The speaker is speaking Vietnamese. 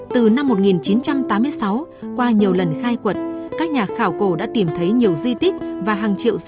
từ năm một nghìn chín trăm tám mươi sáu qua nhiều lần khai quật các nhà khảo cổ đã tìm thấy nhiều di tích và hàng triệu di sản